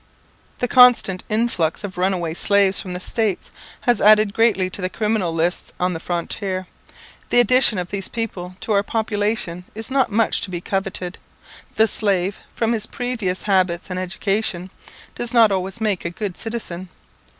The constant influx of runaway slaves from the States has added greatly to the criminal lists on the frontier. The addition of these people to our population is not much to be coveted. The slave, from his previous habits and education, does not always make a good citizen.